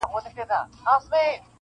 خو حیران سو چي سړی دومره هوښیار دی-